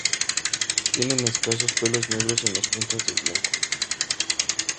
Tienen escasos pelos negros en las puntas del blanco.